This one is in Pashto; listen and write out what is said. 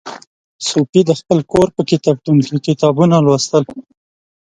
صوفي د خپل کور په کتابتون کې کتابونه لوستل.